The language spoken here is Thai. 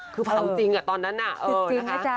คือเผาจริงอะตอนนั้นน่ะเออนะคะ